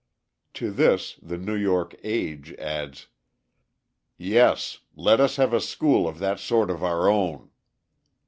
To this the New York Age adds: "Yes; let us have a school of that sort of our own."